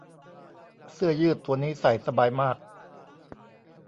เสื้อยืดตัวนี้ใส่สบายมาก